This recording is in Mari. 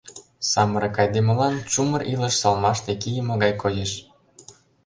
Самырык айдемылан чумыр илыш салмаште кийыме гай коеш...